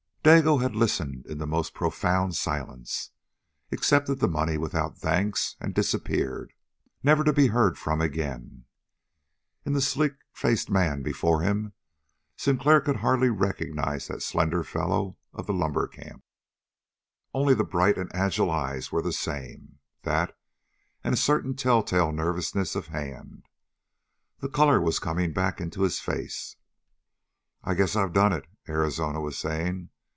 Dago had listened in the most profound silence, accepted the money without thanks, and disappeared, never to be heard from again. In the sleek faced man before him, Sinclair could hardly recognize that slender fellow of the lumber camp. Only the bright and agile eyes were the same; that, and a certain telltale nervousness of hand. The color was coming back into his face. "I guess I've done it," Arizona was saying.